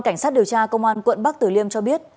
cảnh sát điều tra công an quận bắc tử liêm cho biết